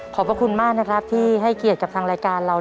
พระคุณมากนะครับที่ให้เกียรติกับทางรายการเรา